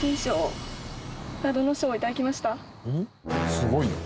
すごいな。